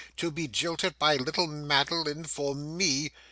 To be jilted by little Madeline for me!